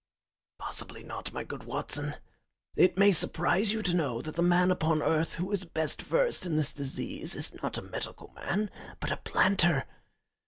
"Possibly not, my good Watson. It may surprise you to know that the man upon earth who is best versed in this disease is not a medical man, but a planter.